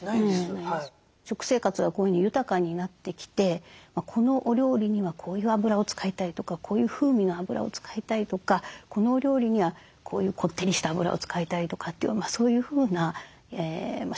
食生活がこういうふうに豊かになってきてこのお料理にはこういうあぶらを使いたいとかこういう風味のあぶらを使いたいとかこのお料理にはこういうこってりしたあぶらを使いたいとかっていうそういうふうな消費者のニーズがですね